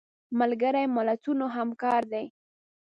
ملګري ملتونه همکار دي